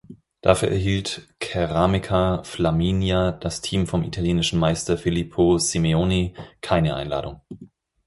Dafür erhielt Ceramica Flaminia, das Team vom italienischen Meister Filippo Simeoni, keine Einladung.